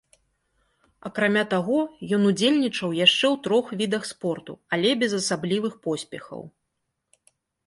Акрамя таго, ён удзельнічаў яшчэ ў трох відах спорту, але без асаблівых поспехаў.